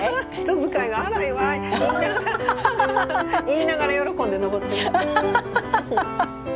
言いながら喜んで登ってるよ。